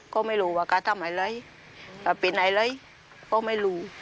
ก็ไม่รู้ว่ากระต้ำไอ้เลยปรับปิดไอ้เลยก็ไม่รู้